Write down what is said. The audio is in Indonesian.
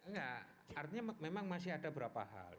enggak artinya memang masih ada beberapa hal